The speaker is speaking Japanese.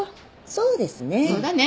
そうですね。